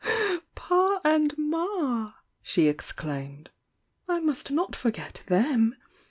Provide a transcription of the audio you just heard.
"Pa and Ma!" she exclaimed— "I must not for get t^em.'